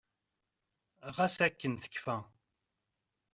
Ɣas akken tekkfa.